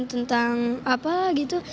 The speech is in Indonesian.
tentang apa gitu